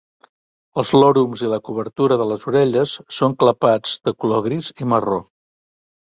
Els lòrums i la cobertura de les orelles són clapats de color gris i marró.